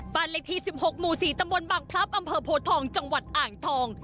บ้านเลขที่๑๖หมู่๔ตำบลบางพลับอำเภอโพทองจังหวัดอ่างทอง